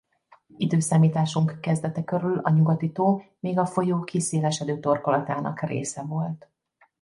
Időszámításunk kezdete körül a Nyugati-tó még a folyó kiszélesedő torkolatának része volt.